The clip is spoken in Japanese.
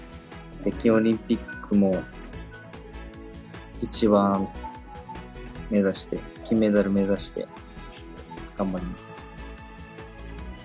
北京オリンピックも一番目指して、金メダル目指して頑張ります。